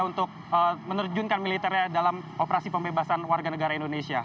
untuk menerjunkan militernya dalam operasi pembebasan warga negara indonesia